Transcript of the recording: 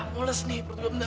moles nih bentar ya bentar ya